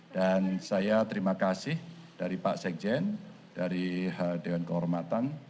dan saya terima kasih dari pak sekjen dari dewan kehormatan